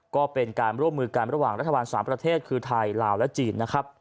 ก็เป็นการร่วมมือกันระหว่างรัฐบาล๓ประเทศคือไทยลาวและจีนนะครับ